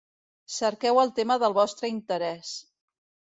Cerqueu el tema del vostre interès.